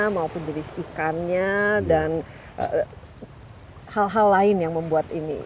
maupun jenis ikannya dan hal hal lain yang membuat ini